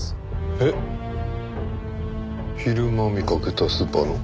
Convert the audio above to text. えっ昼間見かけたスーパーの？